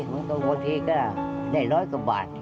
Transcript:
มันต้องควบติก็ได้ร้อยกว่าบาท